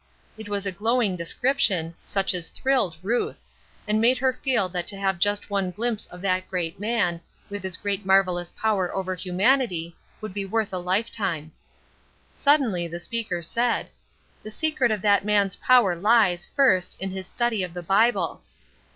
It was a glowing description, such as thrilled Ruth, and made her feel that to have just one glimpse of that great man, with his great marvelous power over humanity, would be worth a lifetime. Suddenly the speaker said: "The secret of that man's power lies, first, in his study of the Bible."